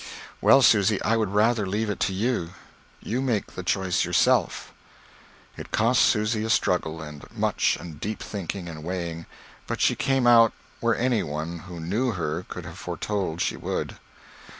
"Well, Susy, I would rather leave it to you. You make the choice yourself." It cost Susy a struggle, and much and deep thinking and weighing but she came out where any one who knew her could have foretold she would.